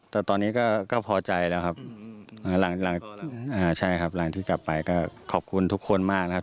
แต่ตอนนี้ก็พอใจแล้วครับหลังอ่าใช่ครับหลังที่กลับไปก็ขอบคุณทุกคนมากนะครับ